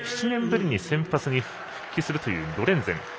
７年ぶりに先発に復帰するというロレンゼン。